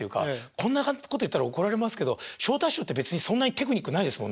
こんなこと言ったら怒られますけど昇太師匠って別にそんなにテクニックないですもんね。